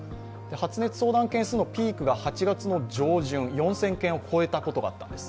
発熱相談件数のピークが８月上旬、４０００件を超えたことがあったんです。